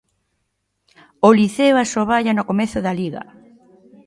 O Liceo asoballa no comezo da Liga.